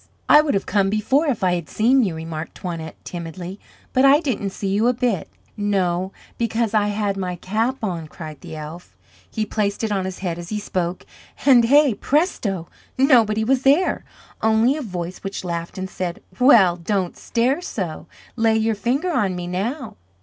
"I would have come before if I had seen you," remarked Toinette, timidly. "But I didn't see you a bit." "No, because I had my cap on," cried the elf. He placed it on his head as he spoke, and hey, presto! nobody was there, only a voice which laughed and said: "Well don't stare so. Lay your finger on me now."